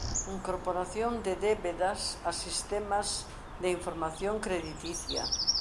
Incorporación de débedas a sistemas de información crediticia.